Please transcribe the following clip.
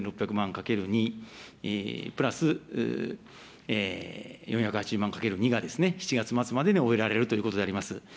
かける２プラス４８０万かける２がですね、７月末までに終えられるということでございます。